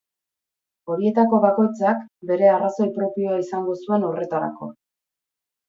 Horietako bakoitzak bere arrazoi propioa izango zuen horretarako.